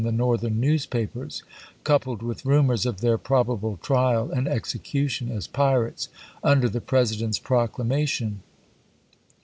the Northern newspapers, coupled with rumors of theu' probable trial and execution as pirates, under the President's proclamation.